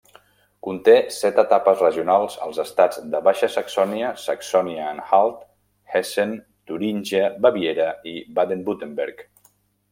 Conté set etapes regionals als estats de Baixa Saxònia, Saxònia-Anhalt, Hessen, Turíngia, Baviera i Baden-Württemberg.